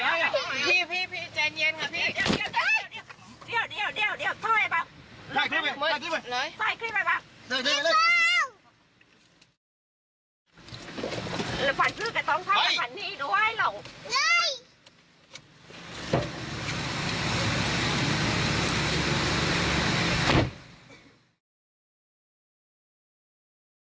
ผมต้องขนมรุง